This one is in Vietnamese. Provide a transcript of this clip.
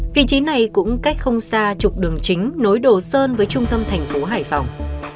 vị trí này cũng cách không xa trục đường chính nối đồ sơn với trung tâm thành phố hải phòng